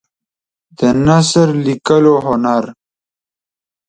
د نثر لیکلو هنر